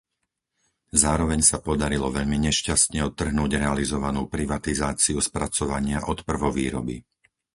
Zároveň sa podarilo veľmi nešťastne odtrhnúť realizovanú privatizáciu spracovania od prvovýroby.